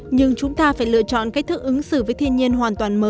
nhưng chúng ta phải lựa chọn cách thức ứng xử với thiên nhiên hoàn toàn mới